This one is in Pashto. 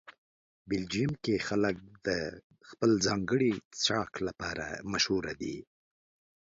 بلجیم کې خلک د خپل ځانګړي څښاک لپاره مشهوره دي.